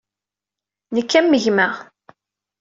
Nekk am gma.